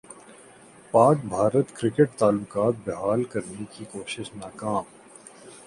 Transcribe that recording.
پاک بھارت کرکٹ تعلقات بحال کرنے کی کوشش ناکام